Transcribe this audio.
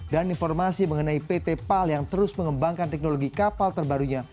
dan informasi mengenai pt pal yang terus mengembangkan teknologi kapal terbarunya